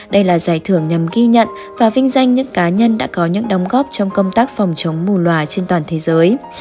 đây là giải thưởng nhằm ghi nhận và vinh danh những cá nhân đã có những đóng góp trong công tác phòng chống mù loà trên toàn thế giới